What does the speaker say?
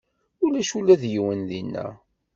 Ulac ula d yiwen dinna.